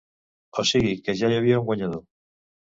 O sigui que ja hi havia un guanyador.